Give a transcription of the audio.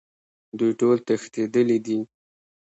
دوی ټول تښتیدلي دي